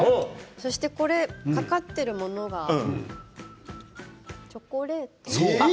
そして、これかかっているものがチョコレート。